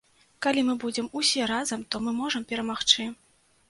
Калі мы будзем усе разам, то мы можам перамагчы.